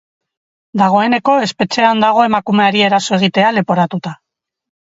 Dagoeneko espetxean dago emakumeari eraso egitea leporatuta.